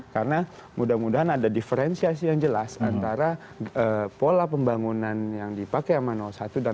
karena mudah mudahan ada diferensiasi yang jelas antara pola pembangunan yang dipakai sama satu dan dua